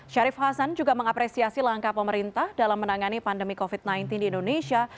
syarif hasan juga mengapresiasi langkah pemerintah dalam menangani pandemi covid sembilan belas di indonesia